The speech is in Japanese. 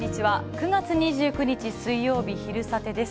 ９月２９日水曜日、「昼サテ」です。